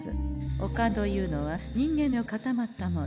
お金というのは人間の欲が固まったもの。